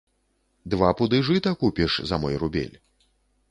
Два пуды жыта купіш за мой рубель.